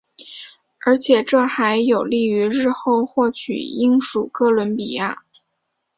而且这还有利于日后获取英属哥伦比亚。